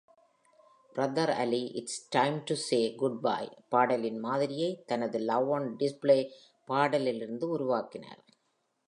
Brother Ali "It's Time to Say Goodbye" பாடலின் மாதிரியை தனது "Love On Display" பாடலிலிருந்து உருவாக்கினார்.